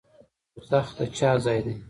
دوزخ د چا ځای دی؟